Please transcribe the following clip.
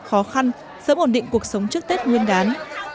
khó khăn sớm ổn định cuộc sống trước tết nguyên đán